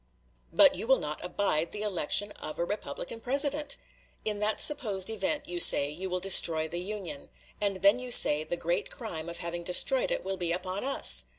But you will not abide the election of a Republican President! In that supposed event, you say, you will destroy the Union; and then you say, the great crime of having destroyed it will be upon us!